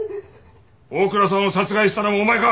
大倉さんを殺害したのもお前か！？